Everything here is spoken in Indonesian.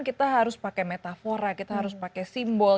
kita harus pakai metafora kita harus pakai simbol